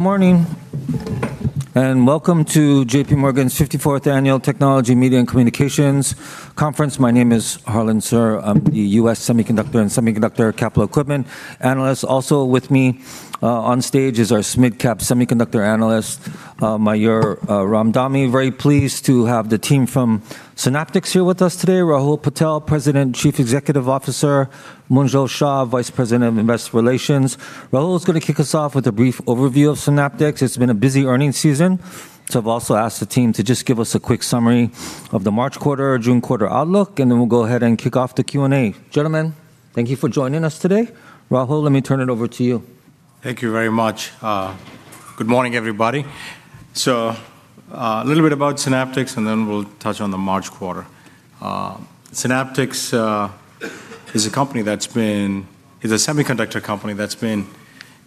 Morning, and welcome to J.P. Morgan's 54th Annual Global Technology, Media and Communications Conference. My name is Harlan Sur. I'm the U.S. Semiconductor and Semiconductor Capital Equipment Analyst. Also with me on stage is our Midcap Semiconductor Analyst, Mayur Ramdhani. Very pleased to have the team from Synaptics here with us today. Rahul Patel, President and Chief Executive Officer, Munjal Shah, Vice President of Investor Relations. Rahul is gonna kick us off with a brief overview of Synaptics. It's been a busy earnings season, so I've also asked the team to just give us a quick summary of the March quarter or June quarter outlook, and then we'll go ahead and kick off the Q&A. Gentlemen, thank you for joining us today. Rahul, let me turn it over to you. Thank you very much. Good morning, everybody. A little bit about Synaptics, and then we'll touch on the March quarter. Synaptics is a semiconductor company that's been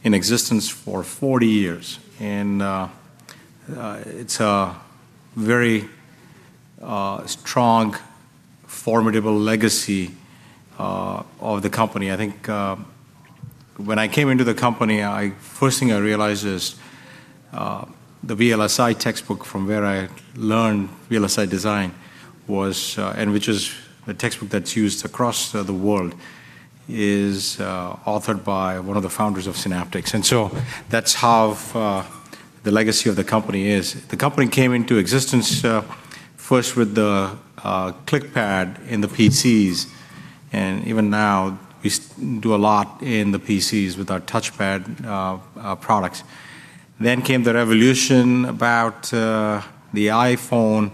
in existence for 40 years, and it's a very strong, formidable legacy of the company. I think, when I came into the company, first thing I realized is the VLSI textbook from where I learned VLSI design was and which is a textbook that's used across the world, is authored by one of the founders of Synaptics. That's how the legacy of the company is. The company came into existence first with the ClickPad in the PCs, and even now we do a lot in the PCs with our TouchPad products. Came the revolution about the iPhone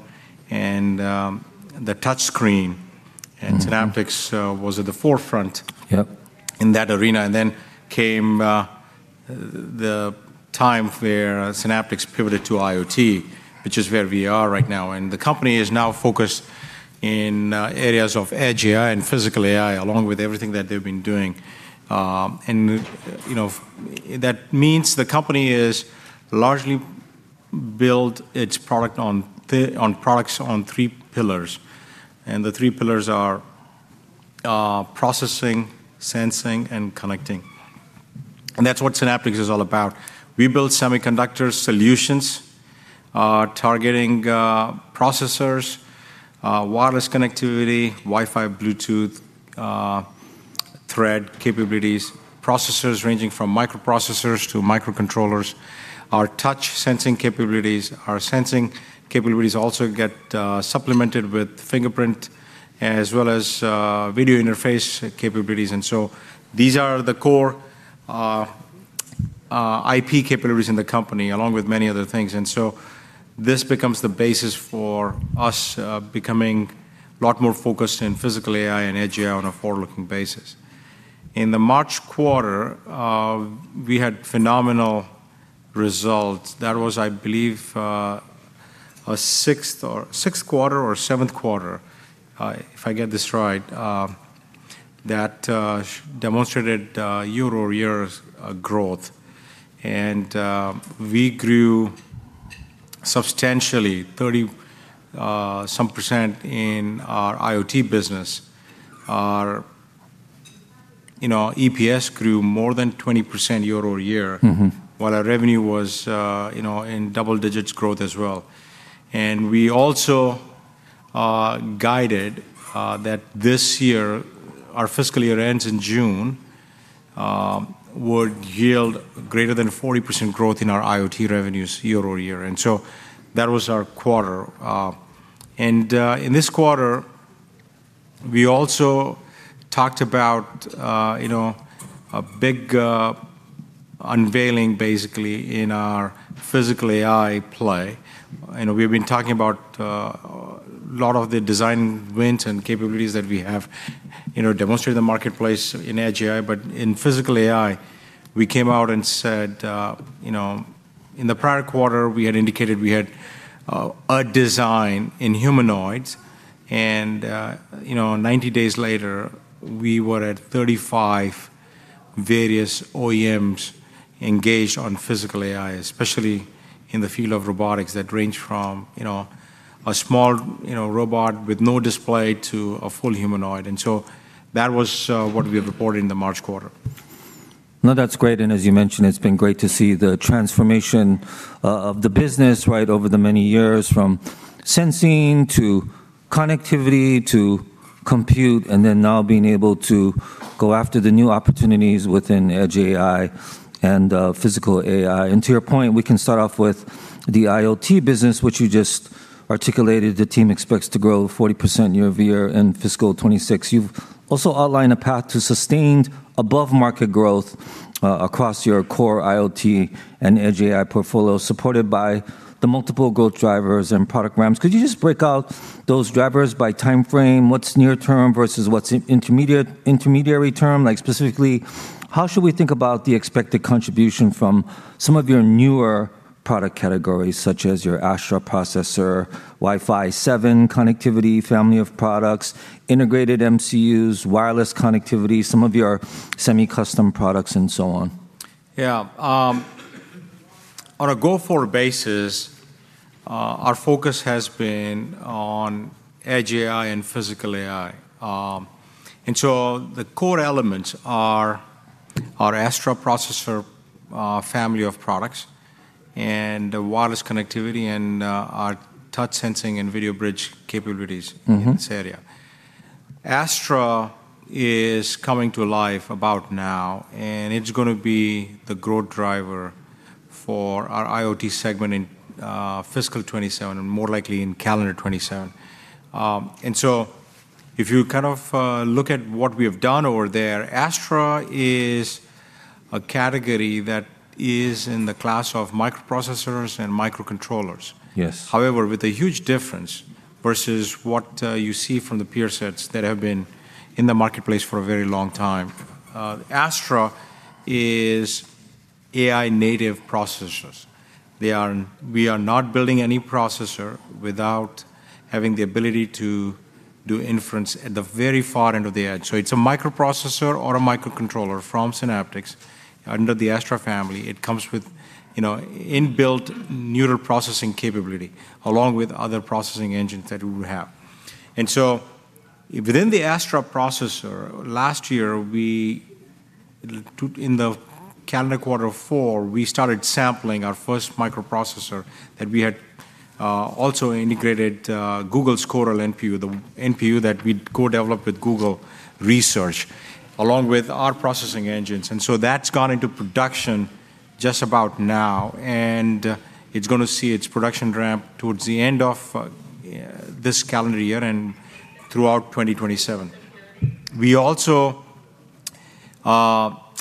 and the touchscreen. Synaptics was at the forefront. Yep. In that arena. Then came the time where Synaptics pivoted to IoT, which is where we are right now. The company is now focused in areas of Edge AI and Physical AI, along with everything that they've been doing. you know, that means the company is largely build its products on three pillars. The three pillars are processing, sensing, and connecting. That's what Synaptics is all about. We build semiconductor solutions, targeting processors, wireless connectivity, Wi-Fi, Bluetooth, Thread capabilities, processors ranging from microprocessors to microcontrollers. Our touch-sensing capabilities. Our sensing capabilities also get supplemented with fingerprint as well as video interface capabilities. These are the core IP capabilities in the company, along with many other things. This becomes the basis for us, becoming a lot more focused in Physical AI and Edge AI on a forward-looking basis. In the March quarter, we had phenomenal results. That was, I believe, a sixth or seventh quarter, if I get this right, that demonstrated year-over-year growth. We grew substantially 30 some percent in our IoT business. Our, you know, EPS grew more than 20% year-over-year. Mm-hmm. While our revenue was, you know, in double digits growth as well. We also guided that this year, our fiscal year ends in June, would yield greater than 40% growth in our IoT revenues year-over-year. That was our quarter. In this quarter, we also talked about, you know, a big unveiling basically in our Physical AI play. You know, we've been talking about lot of the design wins and capabilities that we have, you know, demonstrated in the marketplace in Edge AI. In Physical AI, we came out and said, you know, in the prior quarter, we had indicated we had a design in humanoids and, you know, 90 days later, we were at 35 various OEMs engaged on Physical AI, especially in the field of robotics that range from, you know, a small, you know, robot with no display to a full humanoid. That was, what we have reported in the March quarter. No, that's great, and as you mentioned, it's been great to see the transformation of the business right over the many years, from sensing to connectivity to compute, and then now being able to go after the new opportunities within Edge AI and Physical AI. To your point, we can start off with the IoT business, which you just articulated the team expects to grow 40% year-over-year in fiscal 2026. You've also outlined a path to sustained above-market growth across your core IoT and Edge AI portfolio, supported by the multiple growth drivers and product ramps. Could you just break out those drivers by timeframe? What's near term versus what's intermediary term? Like specifically, how should we think about the expected contribution from some of your newer product categories, such as your Astra processor, Wi-Fi 7 connectivity family of products, integrated MCUs, wireless connectivity, some of your semi-custom products, and so on? Yeah. On a go-forward basis, our focus has been on Edge AI and Physical AI. The core elements are our Astra processor family of products, and the wireless connectivity and our touch sensing and video bridge capabilities. Mm-hmm. In this area. Astra is coming to life about now, and it's going to be the growth driver for our IoT segment in fiscal 2027 and more likely in calendar 2027. If you kind of look at what we have done over there, Astra is a category that is in the class of microprocessors and microcontrollers. Yes. However, with a huge difference versus what you see from the peer sets that have been in the marketplace for a very long time. Astra is AI native processors. We are not building any processor without having the ability to do inference at the very far end of the edge. It's a microprocessor or a microcontroller from Synaptics under the Astra family. It comes with, you know, inbuilt neural processing capability along with other processing engines that we have. Within the Astra processor, last year in the calendar quarter four, we started sampling our first microprocessor that we had also integrated Google's Coral NPU, the NPU that we co-developed with Google Research, along with our processing engines. That's gone into production just about now, and it's gonna see its production ramp towards the end of this calendar year and throughout 2027. We also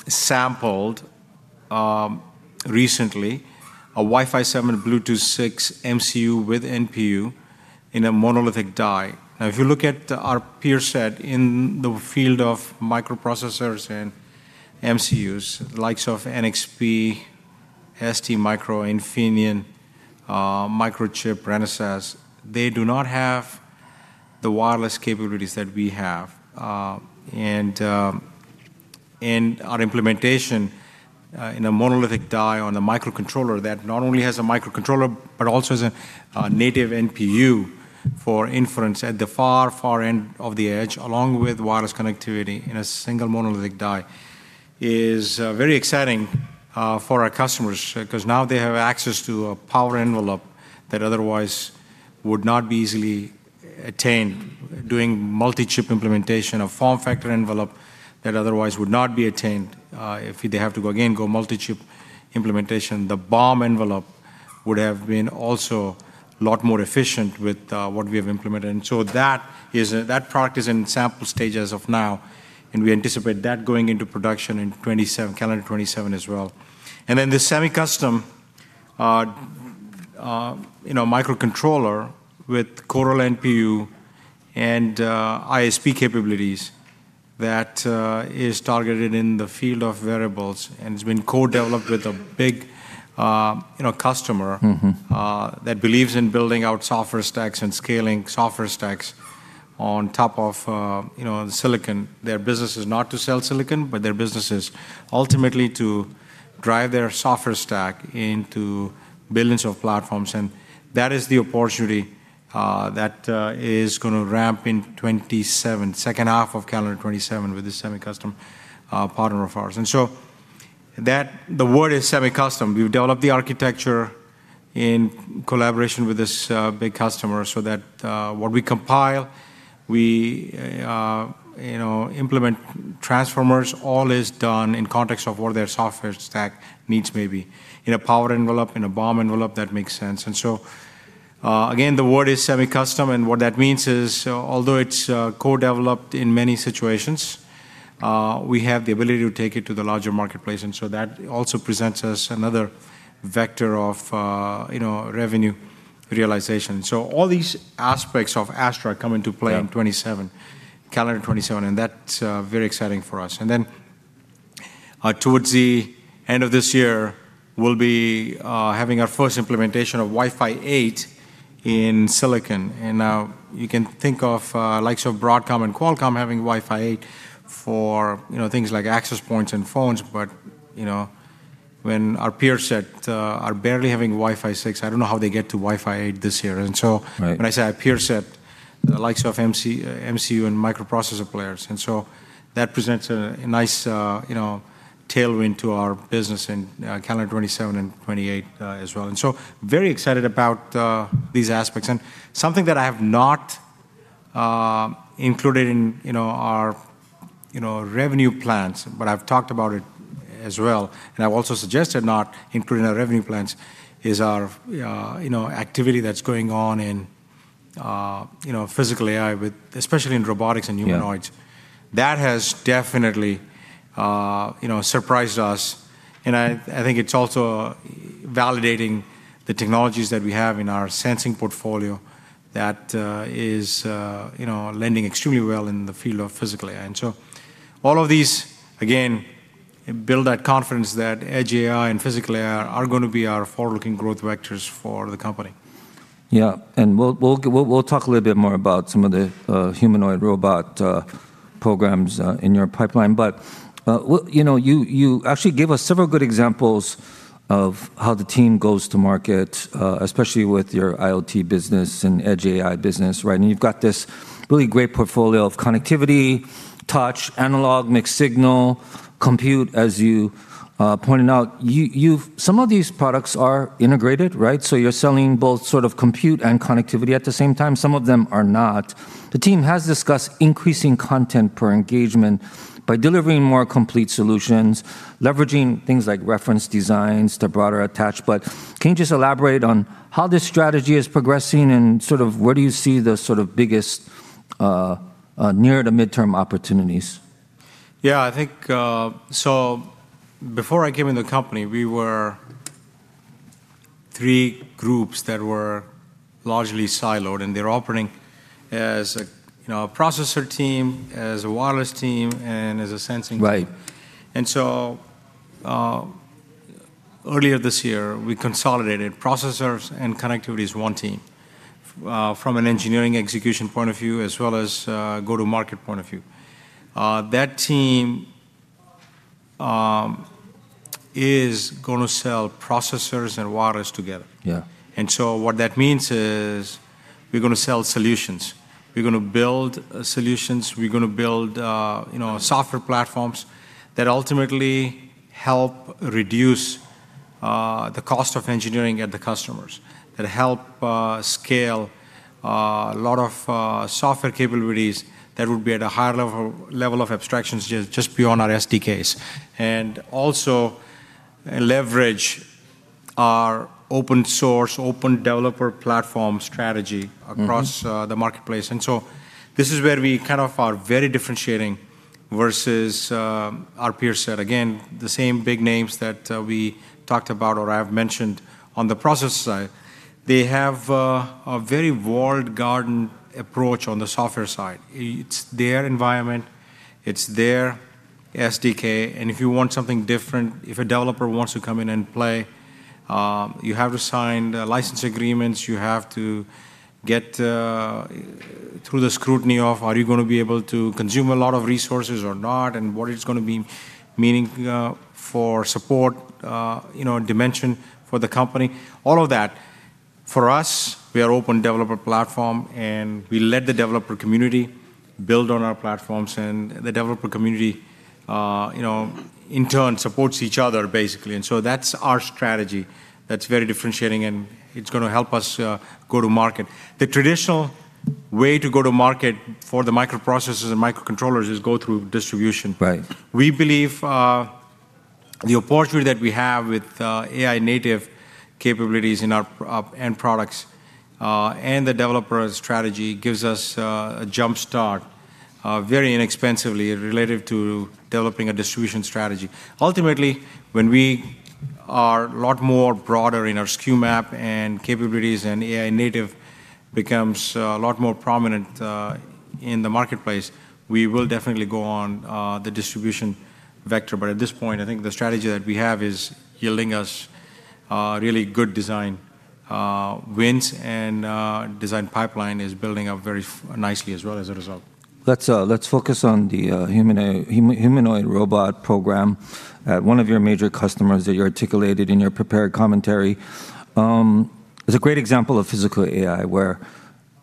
sampled recently a Wi-Fi 7 Bluetooth 6.0 MCU with NPU in a monolithic die. If you look at our peer set in the field of microprocessors and MCUs, the likes of NXP, STMicroelectronics, Infineon, Microchip, Renesas, they do not have the wireless capabilities that we have. Our implementation in a monolithic die on a microcontroller that not only has a microcontroller, but also has a native NPU for inference at the far, far end of the edge, along with wireless connectivity in a single monolithic die is very exciting for our customers, 'cause now they have access to a power envelope that otherwise would not be easily attained doing multi-chip implementation, a form factor envelope that otherwise would not be attained if they have to go, again, go multi-chip implementation. The BOM envelope would have been also a lot more efficient with what we have implemented. That product is in sample stage as of now, and we anticipate that going into production in 2027, calendar 2027 as well. The semi-custom, you know, microcontroller with Coral NPU and ISP capabilities that is targeted in the field of wearables and has been co-developed with a big, you know, customer. Mm-hmm. That believes in building out software stacks and scaling software stacks on top of, you know, silicon. Their business is not to sell silicon, but their business is ultimately to drive their software stack into billions of platforms, and that is the opportunity that is gonna ramp in 2027, second half of calendar 2027 with this semi-custom partner of ours. The word is semi-custom. We've developed the architecture in collaboration with this big customer so that what we compile, we, you know, implement transformers, all is done in context of what their software stack needs may be in a power envelope, in a BOM envelope that makes sense. Again, the word is semi-custom, and what that means is, although it's co-developed in many situations, we have the ability to take it to the larger marketplace, and so that also presents us another vector of, you know, revenue realization. All these aspects of Astra come into play in 2027, calendar 2027, and that's very exciting for us. Towards the end of this year, we'll be having our first implementation of Wi-Fi 8 in silicon. You can think of likes of Broadcom and Qualcomm having Wi-Fi 8 for, you know, things like access points and phones. You know, when our peer set are barely having Wi-Fi 6, I don't know how they get to Wi-Fi 8 this year. Right. When I say our peer set, the likes of MCU and microprocessor players. That presents a nice, you know, tailwind to our business in calendar 2027 and 2028 as well. Very excited about these aspects. Something that I have not included in, you know, our, you know, revenue plans, but I've talked about it as well, and I've also suggested not including our revenue plans, is our, you know, activity that's going on in, you know, Physical AI with especially in robotics and humanoids. Yeah. That has definitely, you know, surprised us, and I think it's also validating the technologies that we have in our sensing portfolio that, you know, lending extremely well in the field of Physical AI. So all of these, again, build that confidence that Edge AI and Physical AI are gonna be our forward-looking growth vectors for the company. Yeah. We'll talk a little bit more about some of the humanoid robot programs in your pipeline. You know, you actually gave us several good examples of how the team goes to market, especially with your IoT business and Edge AI business, right? You've got this really great portfolio of connectivity, touch, analog, mixed signal, compute, as you pointed out. Some of these products are integrated, right? So you're selling both sort of compute and connectivity at the same time. Some of them are not. The team has discussed increasing content per engagement by delivering more complete solutions, leveraging things like reference designs to broader attach. Can you just elaborate on how this strategy is progressing and sort of where do you see the sort of biggest near to midterm opportunities? Yeah, I think, before I came in the company, we were three groups that were largely siloed, and they're operating as a, you know, a processor team, as a wireless team, and as a sensing team. Right. Earlier this year, we consolidated processors and connectivity as one team, from an engineering execution point of view as well as a go-to-market point of view. That team is gonna sell processors and wireless together. Yeah. What that means is we're gonna sell solutions. We're gonna build solutions. We're gonna build, you know, software platforms that ultimately help reduce the cost of engineering at the customers, that help scale a lot of software capabilities that would be at a higher level of abstractions just beyond our SDKs, and also leverage our open source, open developer platform strategy. Mm-hmm. Across the marketplace. This is where we kind of are very differentiating versus our peer set. Again, the same big names that we talked about or I have mentioned on the process side. They have a very walled garden approach on the software side. It's their environment, it's their SDK, and if you want something different, if a developer wants to come in and play, you have to sign license agreements, you have to get through the scrutiny of are you gonna be able to consume a lot of resources or not, and what it's gonna be meaning for support, you know, dimension for the company, all of that. For us, we are open developer platform, and we let the developer community build on our platforms, and the developer community, you know, in turn supports each other, basically. That's our strategy that's very differentiating, and it's gonna help us go to market. The traditional way to go to market for the microprocessors and microcontrollers is go through distribution. Right. We believe the opportunity that we have with AI native capabilities in our end products and the developer strategy gives us a jump start very inexpensively related to developing a distribution strategy. Ultimately, when we are a lot more broader in our SKU roadmap and capabilities and AI native becomes a lot more prominent in the marketplace, we will definitely go on the distribution vector. At this point, I think the strategy that we have is yielding us really good design wins and design pipeline is building up very nicely as well as a result. Let's focus on the humanoid robot program at one of your major customers that you articulated in your prepared commentary. It's a great example of Physical AI, where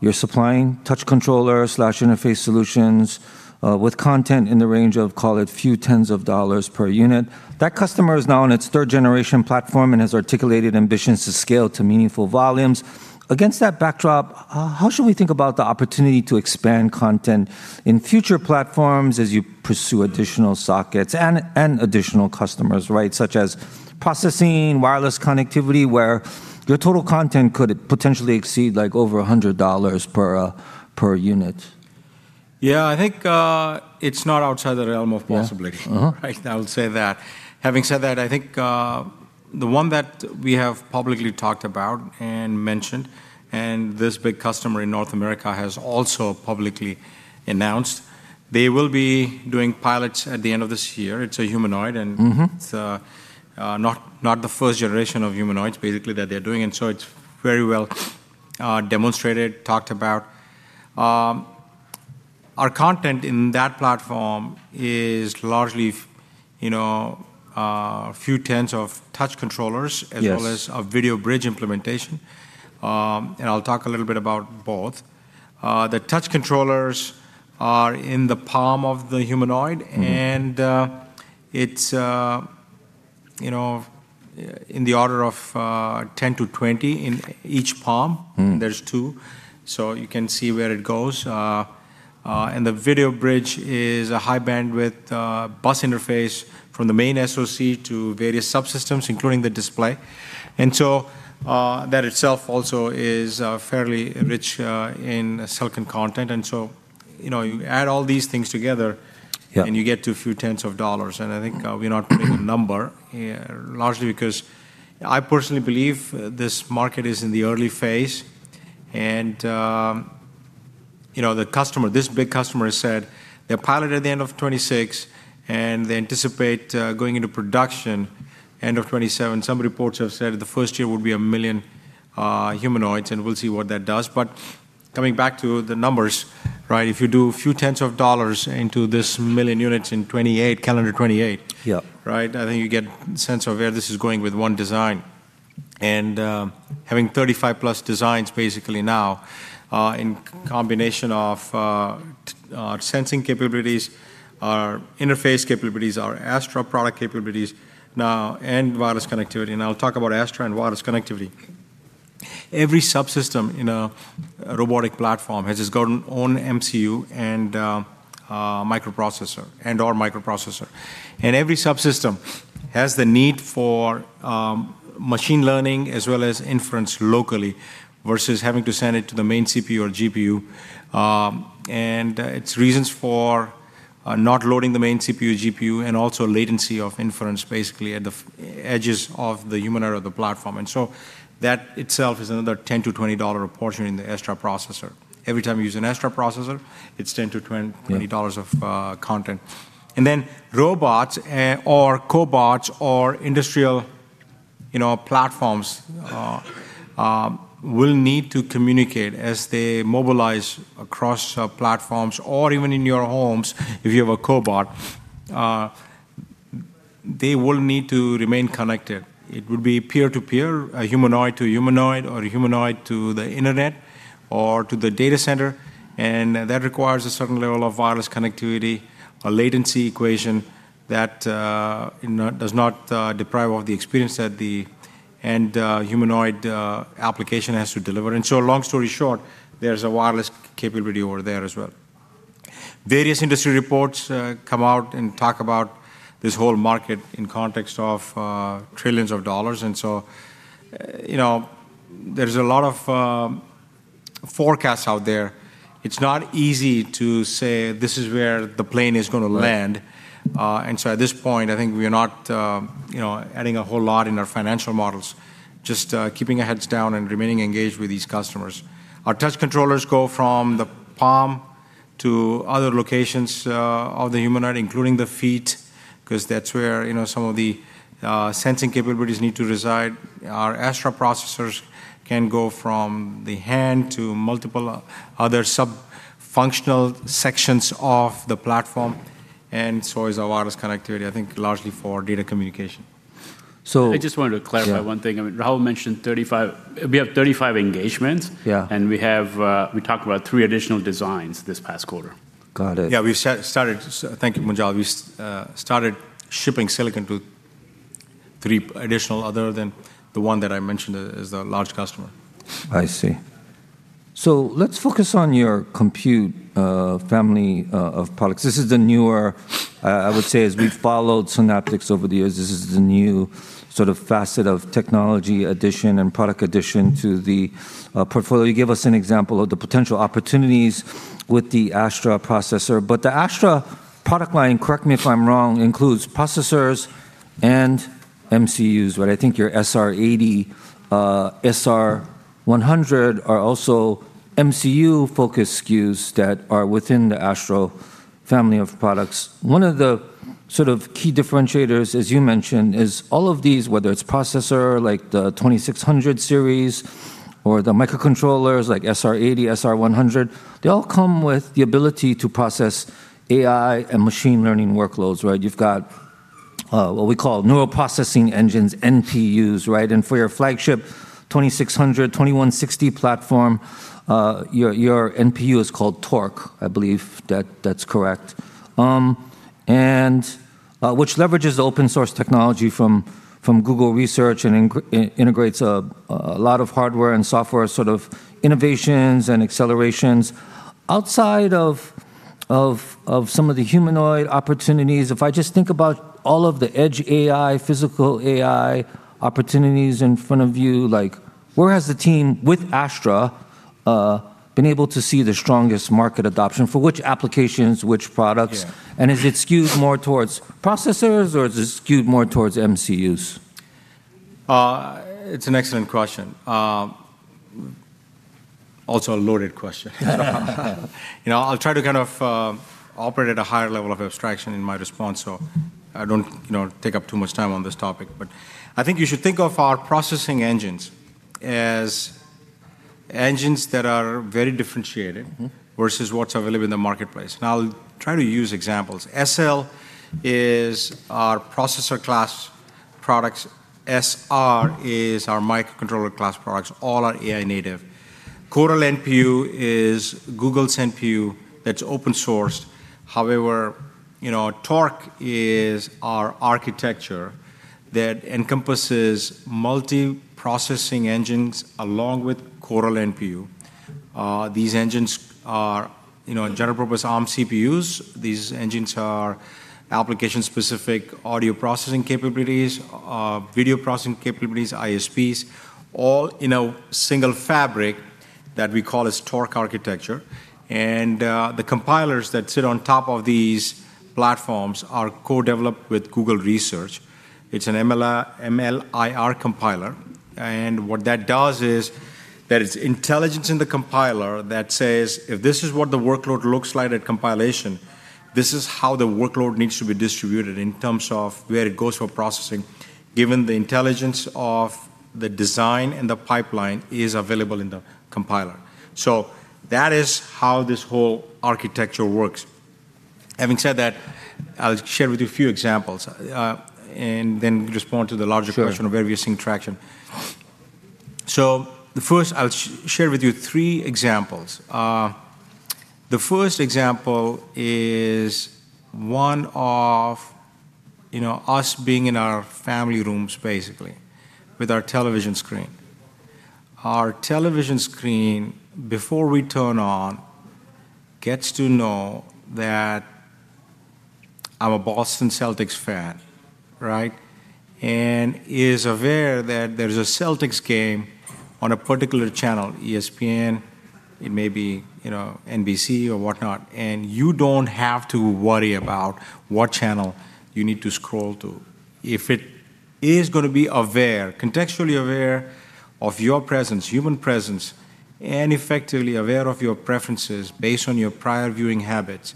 you're supplying touch controller/interface solutions, with content in the range of, call it, few tens of dollars per unit. That customer is now on its 3rd-generation platform and has articulated ambitions to scale to meaningful volumes. Against that backdrop, how should we think about the opportunity to expand content in future platforms as you pursue additional sockets and additional customers, right? Such as processing, wireless connectivity, where your total content could potentially exceed, like, over $100 per unit. Yeah, I think, it's not outside the realm of possibility. Yeah. Uh-huh. Right now, I'll say that. Having said that, I think, the one that we have publicly talked about and mentioned, and this big customer in North America has also publicly announced, they will be doing pilots at the end of this year. It's a humanoid. Mm-hmm. It's not the 1st-generation of humanoids basically that they're doing. It's very well demonstrated, talked about. Our content in that platform is largely, you know, a few tens of touch controllers. Yes. As well as a video bridge implementation. I'll talk a little bit about both. The touch controllers are in the palm of the humanoid. Mmm. It's, you know, in the order of 10-20 touch controllers in each palm. There's two. You can see where it goes. The video bridge is a high bandwidth bus interface from the main SoC to various subsystems, including the display. That itself also is fairly rich in silicon content. You know, you add all these things together. Yeah. You get to a few tens of dollars, I think, we're not naming a number, largely because I personally believe this market is in the early phase, you know, the customer, this big customer said they're piloting at the end of 2026, and they anticipate going into production end of 2027. Some reports have said the first year will be one million humanoids, and we'll see what that does. Coming back to the numbers, right? If you do a few tens of dollars into this one million units in 2028, calendar 2028. Yeah. Right? I think you get sense of where this is going with one design. Having 35+ designs basically now, in combination of sensing capabilities, our interface capabilities, our Astra product capabilities now, and wireless connectivity, and I'll talk about Astra and wireless connectivity. Every subsystem in a robotic platform has its own MCU and/or microprocessor, and every subsystem has the need for machine learning as well as inference locally versus having to send it to the main CPU or GPU. Its reasons for not loading the main CPU, GPU, and also latency of inference basically at the edges of the humanoid or the platform. That itself is another $10-$20 portion in the Astra processor. Every time you use an Astra processor, it's $10-$20. Yeah. $20 of content. Robots or cobots or industrial, you know, platforms will need to communicate as they mobilize across platforms or even in your homes if you have a cobot. They will need to remain connected. It would be peer to peer, a humanoid to humanoid, or a humanoid to the internet or to the data center, and that requires a certain level of wireless connectivity, a latency equation that, you know, does not deprive of the experience that the end humanoid application has to deliver. Long story short, there's a wireless capability over there as well. Various industry reports come out and talk about this whole market in context of trillions of dollars. You know, there's a lot of forecasts out there. It's not easy to say this is where the plane is gonna land. Right. At this point, I think we are not, you know, adding a whole lot in our financial models, just keeping our heads down and remaining engaged with these customers. Our touch controllers go from the palm to other locations of the humanoid, including the feet, 'cause that's where, you know, some of the sensing capabilities need to reside. Our Astra processors can go from the hand to multiple other sub-functional sections of the platform, and so is our wireless connectivity, I think largely for data communication. So- I just wanted to clarify one thing. Yeah. I mean, Rahul mentioned 35, we have 35 engagements. Yeah. We have, we talked about three additional designs this past quarter. Got it. Yeah, we started, thank you, Munjal. We started shipping silicon to three additional other than the one that I mentioned as the large customer. I see. Let's focus on your compute family of products. This is the newer, I would say as we've followed Synaptics over the years, this is the new sort of facet of technology addition and product addition to the portfolio. You gave us an example of the potential opportunities with the Astra processor, but the Astra product line, correct me if I'm wrong, includes processors and MCUs, right? I think your SR80, SR100 are also MCU-focused SKUs that are within the Astra family of products. One of the sort of key differentiators, as you mentioned, is all of these, whether it's processor like the 2600 series or the microcontrollers like SR80, SR100, they all come with the ability to process AI and machine learning workloads, right? You've got what we call neural processing engines, NPUs, right? For your flagship 2600, 2160 platform, your NPU is called Torq, I believe that that's correct, which leverages open source technology from Google Research and integrates a lot of hardware and software sort of innovations and accelerations. Outside of some of the humanoid opportunities, if I just think about all of the Edge AI, Physical AI opportunities in front of you, like where has the team with Astra been able to see the strongest market adoption? For which applications, which products? Yeah. Is it skewed more towards processors or is it skewed more towards MCUs? It's an excellent question. Also a loaded question. You know, I'll try to kind of operate at a higher level of abstraction in my response, so I don't, you know, take up too much time on this topic. I think you should think of our processing engines as engines that are very differentiated. Mm-hmm. Versus what's available in the marketplace, and I'll try to use examples. SL-Series is our processor class products. SR-Series is our microcontroller class products. All are AI native. Coral NPU is Google's NPU that's open-sourced. You know, Torq is our architecture that encompasses multi-processing engines along with Coral NPU. These engines are, you know, general purpose Arm CPUs. These engines are application-specific audio processing capabilities, video processing capabilities, ISPs, all in a single fabric that we call as Torq architecture. The compilers that sit on top of these platforms are co-developed with Google Research. It's an MLIR compiler. What that does is that it's intelligence in the compiler that says, "If this is what the workload looks like at compilation, this is how the workload needs to be distributed in terms of where it goes for processing, given the intelligence of the design and the pipeline is available in the compiler." That is how this whole architecture works. Having said that, I'll share with you a few examples, then respond to the larger question of everything, traction. Sure. The first, I'll share with you three examples. The first example is one of, you know, us being in our family rooms basically with our television screen. Our television screen, before we turn on, gets to know that I'm a Boston Celtics fan, right? Is aware that there's a Celtics game on a particular channel, ESPN, it may be, you know, NBC or whatnot, and you don't have to worry about what channel you need to scroll to. If it is gonna be aware, contextually aware of your presence, human presence, and effectively aware of your preferences based on your prior viewing habits,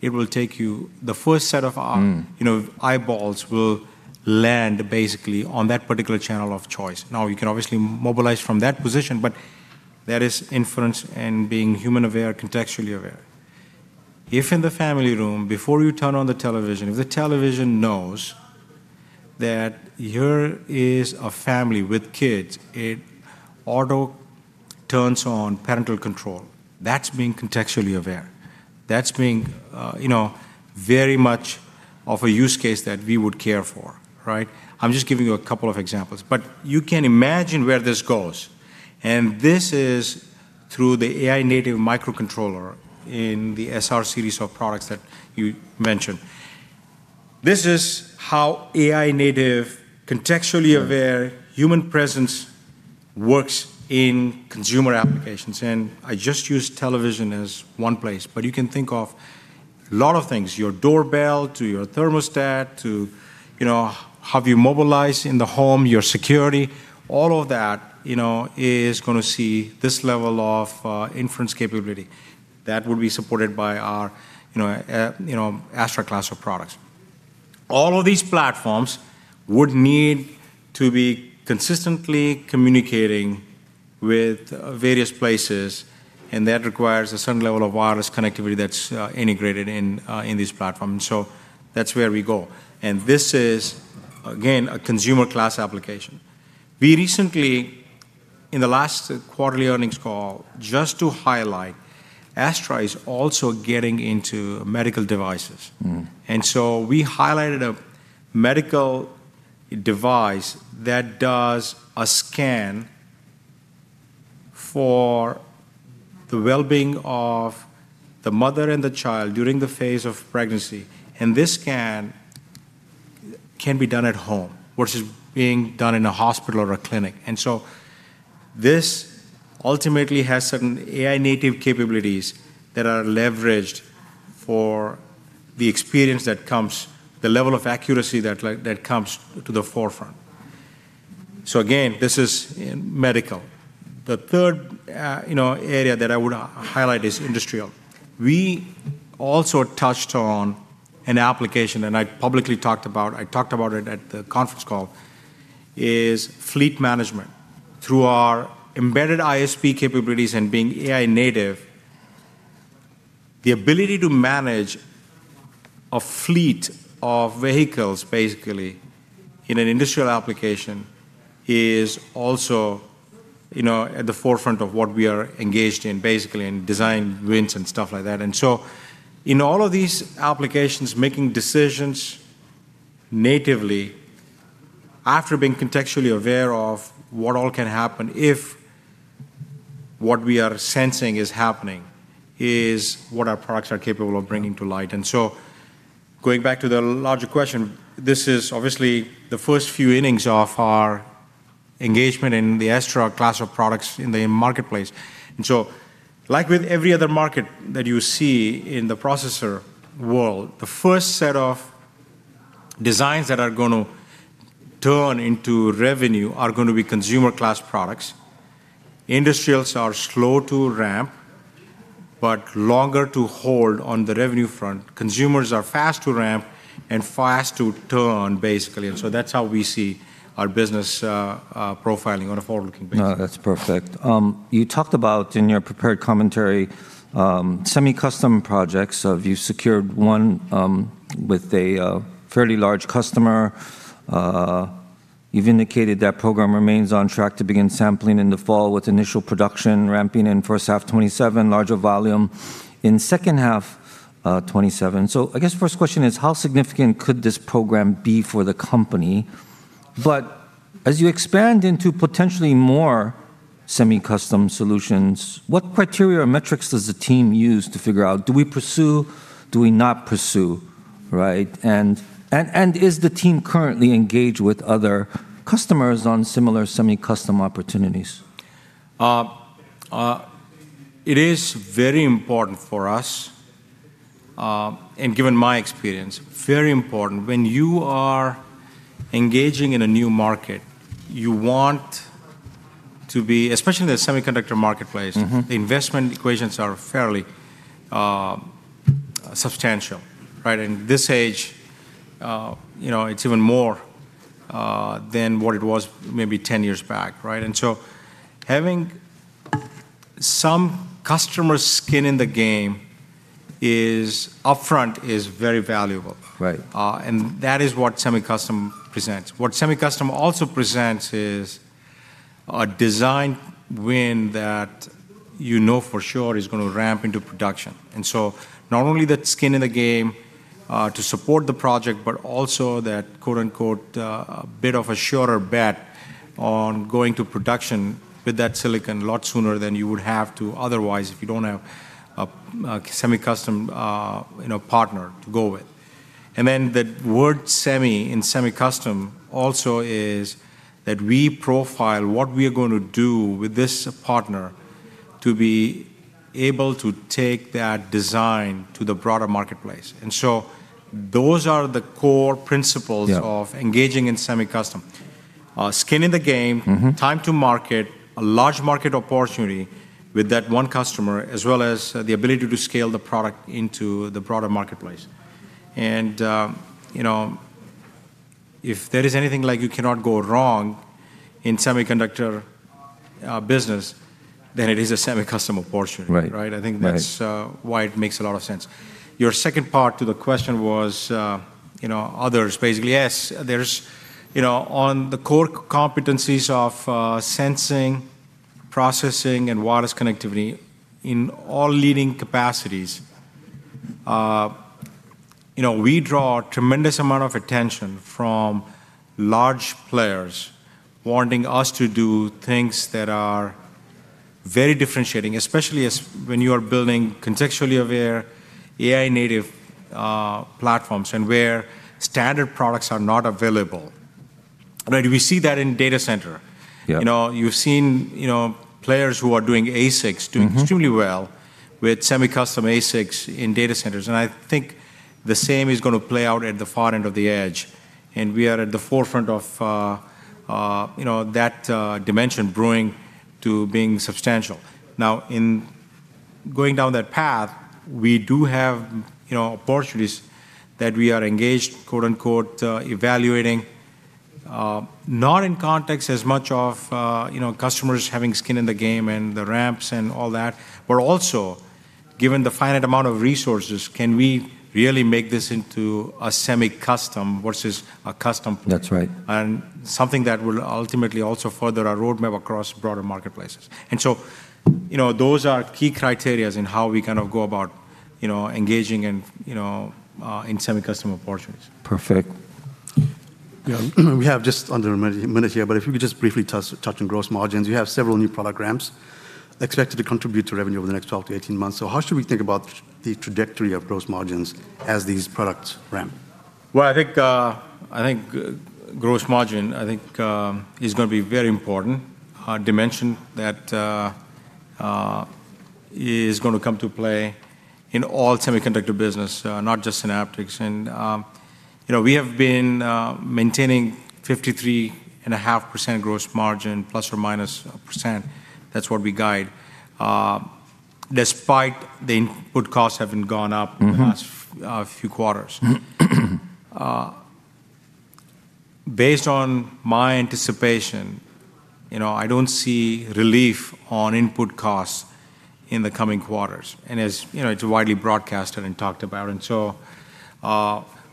it will take you, the first set of. Mm. You know, eyeballs will land basically on that particular channel of choice. Now, you can obviously mobilize from that position, but that is inference and being human aware, contextually aware. If in the family room, before you turn on the television, if the television knows that here is a family with kids, it auto turns on parental control. That's being contextually aware. That's being, you know, very much of a use case that we would care for, right? I'm just giving you a couple of examples. You can imagine where this goes, and this is through the AI native microcontroller in the SR-Series series of products that you mentioned. This is how AI native, contextually aware human presence works in consumer applications. I just used television as one place, but you can think of a lot of things, your doorbell to your thermostat to, you know, how you mobilize in the home, your security, all of that, you know, is gonna see this level of inference capability that will be supported by our, you know, Astra class of products. All of these platforms would need to be consistently communicating with various places, and that requires a certain level of wireless connectivity that's integrated in this platform. That's where we go. This is, again, a consumer class application. We recently, in the last quarterly earnings call, just to highlight, Astra is also getting into medical devices. We highlighted a medical device that does a scan for the well-being of the mother and the child during the phase of pregnancy. This scan can be done at home versus being done in a hospital or a clinic. This ultimately has certain AI native capabilities that are leveraged for the experience that comes, the level of accuracy that like, that comes to the forefront. Again, this is in medical. The third, you know, area that I would highlight is industrial. We also touched on an application, and I publicly talked about it at the conference call, is fleet management. Through our embedded ISP capabilities and being AI-native, the ability to manage a fleet of vehicles basically in an industrial application is also, you know, at the forefront of what we are engaged in basically in design wins and stuff like that. In all of these applications, making decisions natively after being contextually aware of what all can happen if what we are sensing is happening is what our products are capable of bringing to light. Going back to the larger question, this is obviously the first few innings of our engagement in the Astra class of products in the marketplace. Like with every other market that you see in the processor world, the first set of designs that are gonna turn into revenue are gonna be consumer-class products. Industrials are slow to ramp, but longer to hold on the revenue front. Consumers are fast to ramp and fast to turn, basically. That's how we see our business profiling on a forward-looking basis. No, that's perfect. You talked about in your prepared commentary, semi-custom projects. You've secured one with a fairly large customer. You've indicated that program remains on track to begin sampling in the fall with initial production ramping in first half 2027, larger volume in second half 2027. I guess first question is, how significant could this program be for the company? As you expand into potentially more semi-custom solutions, what criteria or metrics does the team use to figure out, do we pursue, do we not pursue, right? Is the team currently engaged with other customers on similar semi-custom opportunities? It is very important for us, and given my experience, very important. When you are engaging in a new market, especially in the semiconductor marketplace. Mm-hmm. The investment equations are fairly substantial, right? In this age, you know, it's even more than what it was maybe 10 years back, right? Having some customer skin in the game is, upfront, is very valuable. Right. That is what semi-custom presents. What semi-custom also presents is a design win that you know for sure is going to ramp into production. Not only the skin in the game to support the project, but also that, quote-unquote, "a bit of a shorter bet" on going to production with that silicon a lot sooner than you would have to otherwise if you don't have a semi-custom, you know, partner to go with. The word semi in semi-custom also is that we profile what we are going to do with this partner to be able to take that design to the broader marketplace. Those are the core principles. Yeah. Of engaging in semi-custom. skin in the game- Mm-hmm. -time to market, a large market opportunity with that one customer, as well as the ability to scale the product into the broader marketplace. you know, if there is anything like you cannot go wrong in semiconductor business, then it is a semi-custom opportunity. Right. Right? I think that's- Right. -why it makes a lot of sense. Your second part to the question was, you know, others, basically. Yes, there's, you know, on the core competencies of sensing, processing, and wireless connectivity in all leading capacities, you know, we draw a tremendous amount of attention from large players wanting us to do things that are very differentiating, especially as when you are building contextually aware AI native platforms and where standard products are not available. Right. We see that in data center. Yeah. You know, you've seen, you know, players who are doing ASICs. Mm-hmm. Extremely well with semi-custom ASICs in data centers. I think the same is gonna play out at the far end of the edge. We are at the forefront of, you know, that dimension growing to being substantial. Now, in going down that path, we do have, you know, opportunities that we are engaged, quote-unquote, "evaluating," not in context as much of, you know, customers having skin in the game and the ramps and all that. Also given the finite amount of resources, can we really make this into a semi-custom versus a custom? That's right. Something that will ultimately also further our roadmap across broader marketplaces. You know, those are key criteria in how we kind of go about, you know, engaging in, you know, semi-custom opportunities. Perfect. Yeah. We have just under a minute here. If you could just briefly touch on gross margins. You have several new product ramps expected to contribute to revenue over the next 12-18 months. How should we think about the trajectory of gross margins as these products ramp? Well, I think gross margin is gonna be very important, a dimension that is gonna come to play in all semiconductor business, not just Synaptics. You know, we have been maintaining 53.5% gross margin, ±1%. That's what we guide. Despite the input costs having gone up. Mm-hmm. The last few quarters. Based on my anticipation, you know, I don't see relief on input costs in the coming quarters. As you know, it's widely broadcasted and talked about. So,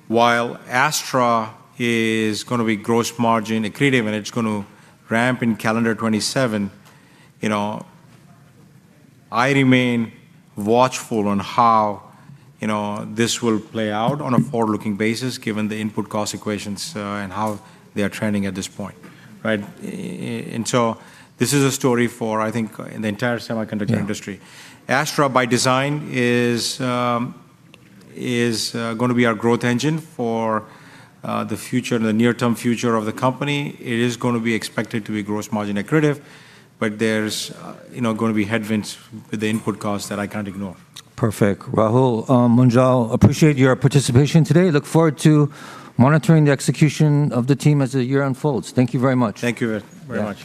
while Astra is gonna be gross margin accretive, and it's gonna ramp in calendar 2027, you know, I remain watchful on how, you know, this will play out on a forward-looking basis given the input cost equations, and how they are trending at this point, right? So this is a story for, I think, the entire semiconductor industry. Yeah. Astra by design, is going to be our growth engine for the future, the near-term future of the company. It is gonna be expected to be gross margin accretive. There's, you know, gonna be headwinds with the input costs that I can't ignore. Perfect. Rahul, Munjal appreciate your participation today. Look forward to monitoring the execution of the team as the year unfolds. Thank you very much. Thank you very much.